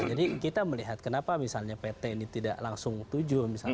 kita melihat kenapa misalnya pt ini tidak langsung tujuh misalnya